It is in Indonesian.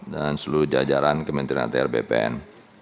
dan seluruh jajaran kementerian atr bpn